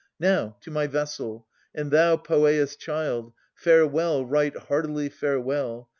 Now, to my vessel! And thou, Poeas' child, Farewell, right heartily farewell